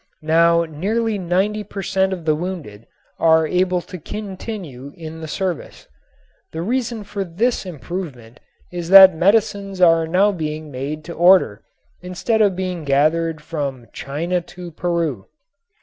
Now nearly ninety per cent. of the wounded are able to continue in the service. The reason for this improvement is that medicines are now being made to order instead of being gathered "from China to Peru."